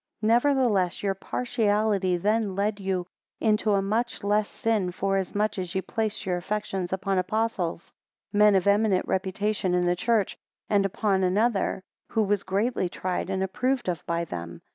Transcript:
22 Nevertheless your partiality then led you into a much less sin forasmuch as ye placed your affections upon Apostles, men of eminent reputation in the church; and upon another, who was greatly tried and approved of by them.